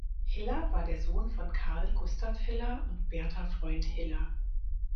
Hiller war der Sohn von Karl Gustav Hiller und Bertha Freund Hiller.